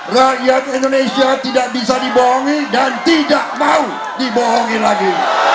rakyat indonesia tidak bisa dibohongi dan tidak mau dibohongi lagi